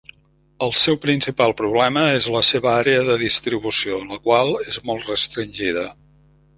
El seu principal problema és la seva àrea de distribució, la qual és molt restringida.